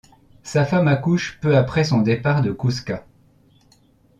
Sa femme accouche peu après son départ de Kouzka.